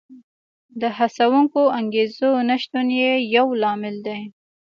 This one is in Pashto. د هڅوونکو انګېزو نشتون یې یو لامل دی